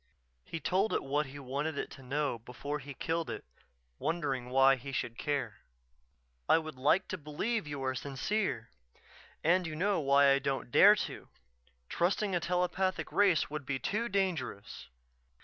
_" He told it what he wanted it to know before he killed it, wondering why he should care: "I would like to believe you are sincere and you know why I don't dare to. Trusting a telepathic race would be too dangerous.